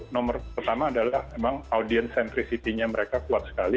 nomor pertama adalah memang audience centrisity nya mereka kuat sekali